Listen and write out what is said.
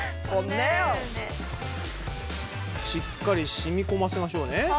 しっかり染み込ませましょうね。